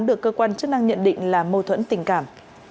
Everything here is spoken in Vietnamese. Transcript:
được cơ quan chức năng nhận định là mâu thuẫn tình cảm